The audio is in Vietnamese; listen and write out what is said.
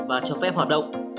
và cho phép hoạt động